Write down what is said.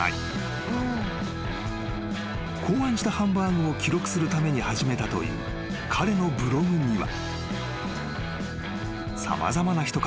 ［考案したハンバーグを記録するために始めたという彼のブログには］